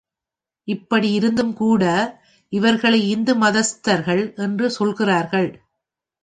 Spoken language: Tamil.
இப்படி இருந்தும்கூட, இவர்களை இந்து மதஸ்தர்கள் என்று சொல்லுகிறார்.